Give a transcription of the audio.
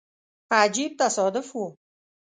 عجیب تصادف وو.